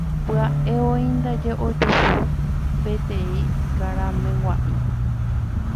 Pya'evoi ndaje ojuhu peteĩ karameg̃ua'i.